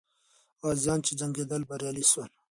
غازیان چې جنګېدل، بریالي سول.